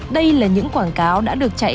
đây là những quảng cáo đã được chạy